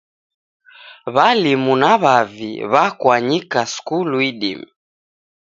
W'alimu na w'avi w'akwanyika skulu idime